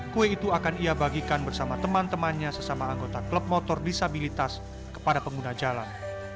kue itu akan ia bagikan bersama teman temannya sesama anggota klub motor disabilitas kepada pengguna jalan